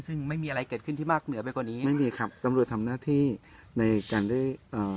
ซึ่งไม่มีอะไรเกิดขึ้นที่มากเหนือไปกว่านี้ไม่มีครับตำรวจทำหน้าที่ในการได้เอ่อ